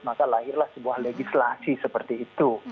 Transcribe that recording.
maka lahirlah sebuah legislasi seperti itu